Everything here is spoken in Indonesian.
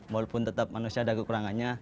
walaupun tetap manusia ada kekurangannya